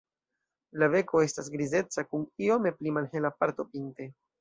La beko estas grizeca kun iome pli malhela parto pinte.